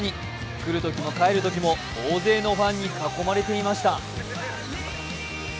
来るときも帰るときも大勢のファンに囲まれていました。